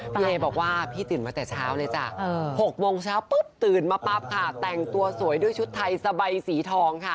พี่เอบอกว่าพี่ตื่นมาแต่เช้าเลยจ้ะ๖โมงเช้าปุ๊บตื่นมาปั๊บค่ะแต่งตัวสวยด้วยชุดไทยสบายสีทองค่ะ